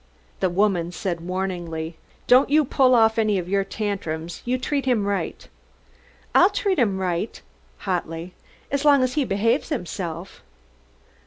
The woman said warningly, "Don't you pull off any of your tantrums you treat him right." "I'll treat him right," hotly, "as long as he behaves himself.